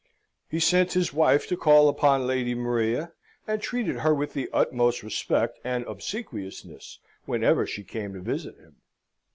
He sent his wife to call upon Lady Maria, and treated her with the utmost respect and obsequiousness, whenever she came to visit him.